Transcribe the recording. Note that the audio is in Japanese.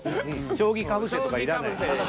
将棋かぶせとかいらない。